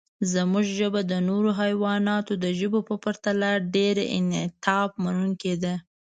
زموږ ژبه د نورو حیواناتو د ژبو په پرتله ډېر انعطافمنونکې ده.